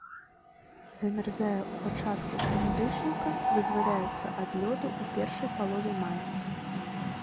Замярзае ў пачатку кастрычніка, вызваляецца ад лёду ў першай палове мая.